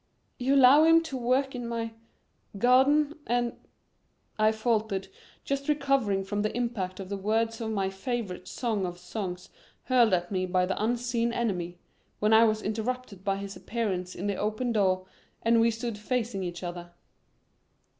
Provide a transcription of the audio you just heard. "You allow him to work in my garden and " I faltered, just recovering from the impact of the words of my favorite song of songs hurled at me by the unseen enemy, when I was interrupted by his appearance in the open door and we stood facing each other.